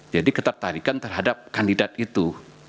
jadi ketertarikan terhadap kandidat itu